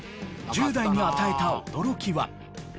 １０代に与えた驚きは？